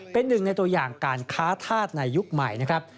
เป็นหนึ่งในตัวอย่างการค้าธาตุในยุคใหม่นะครับ